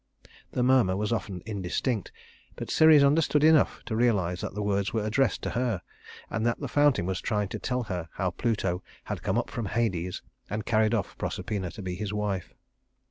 The murmur was often indistinct, but Ceres understood enough to realize that the words were addressed to her, and that the fountain was trying to tell her how Pluto had come up from Hades and carried off Proserpina to be his wife.